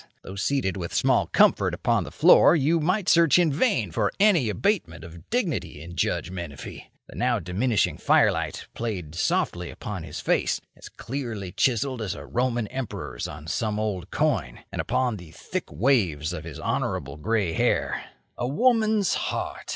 Though seated with small comfort upon the floor, you might search in vain for any abatement of dignity in Judge Menefee. The now diminishing firelight played softly upon his face, as clearly chiselled as a Roman emperor's on some old coin, and upon the thick waves of his honourable grey hair. "A woman's heart!"